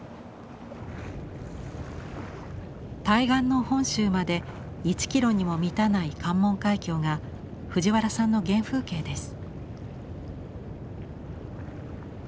対岸の本州まで１キロにも満たない関門海峡が藤原さんの原風景です。